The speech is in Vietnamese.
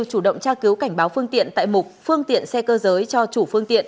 chủ động tra cứu cảnh báo phương tiện tại mục phương tiện xe cơ giới cho chủ phương tiện